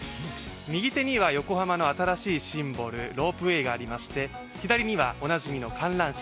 右手には横浜の新しいシンボル、ロープウエーがありまして左にはおなじみの観覧車